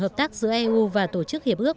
hợp tác giữa eu và tổ chức hiệp ước